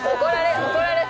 怒られる。